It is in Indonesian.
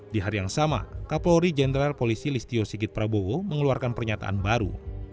di hari yang sama kapolri jenderal polisi listio sigit prabowo mengeluarkan pernyataan baru